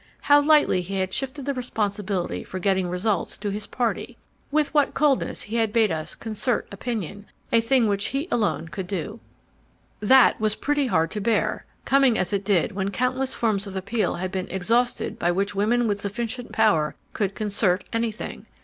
How lightly he had shifted the responsibility for getting results to his party. With what coldness he had bade us "concert opinion," a thing which he alone could do. That was pretty hard to bear, coming as it did when countless forms of appeal had been exhausted by which women without sufficient power could "concert" anything.